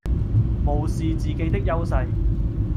無視自己的優勢